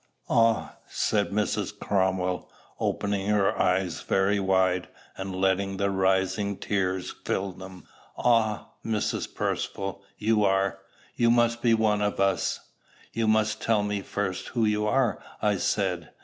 "Ah!" said Mrs. Cromwell, opening her eyes very wide, and letting the rising tears fill them: "Ah, Mrs. Percivale! you are you must be one of us!" "You must tell me first who you are," I said.